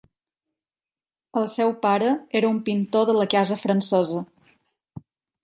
El seu pare era un pintor de la casa francesa.